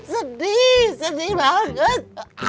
sedih sedih banget